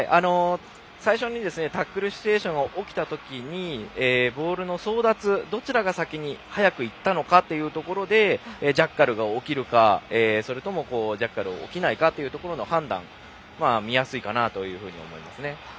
最初にタックルシチュエーションが起きたときにボールの争奪どちらが先に早くいったのかというところでジャッカルが起きるか起きないかという判断が見やすいかなと思います。